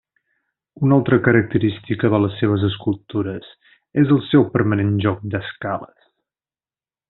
Una altra característica de les seves escultures és el seu permanent joc d’escales.